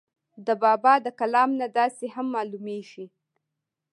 د بابا دَکلام نه داسې هم معلوميږي